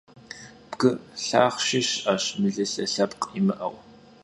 Bgı lhaxhşşi şı'eş, mılılhe lhepkh yimı'eu.